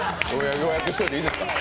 予約しておいていいですか。